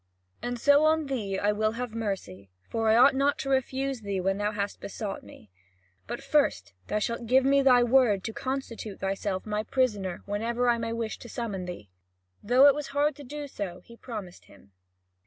And so on thee I will have mercy; for I ought not to refuse thee when thou hast besought me. But first, thou shalt give me thy word to constitute thyself my prisoner whenever I may wish to summon thee." Though it was hard to do so, he promised him.